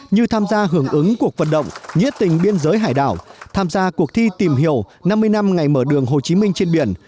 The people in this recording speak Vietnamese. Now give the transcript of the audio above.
như tham gia hưởng ứng cuộc vận động nghĩa tình biên giới hải đảo tham gia cuộc thi tìm hiểu năm mươi năm ngày mở đường hồ chí minh trên biển